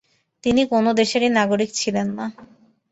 তিনি কোন দেশেরই নাগরিক ছিলেন না।